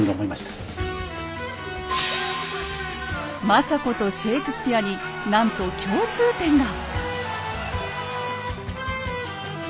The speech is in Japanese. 政子とシェークスピアになんと共通点が！